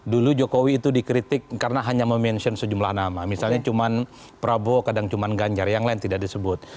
dulu jokowi itu dikritik karena hanya memention sejumlah nama misalnya cuma prabowo kadang cuma ganjar yang lain tidak disebut